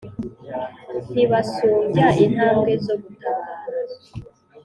Nkibasumbya intambwe zo gutabara